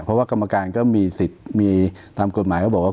เพราะว่ากรรมการก็มีสิทธิ์มีตามกฎหมายเขาบอกว่า